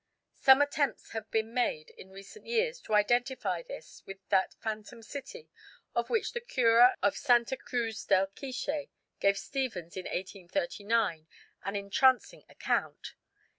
Some attempts have been made in recent years to identify this with that Phantom City of which the cura of Santa Cruz del Quiche gave Stephens in 1839 an entrancing account.